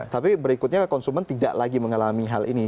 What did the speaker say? tapi berikutnya konsumen tidak lagi mengalami hal ini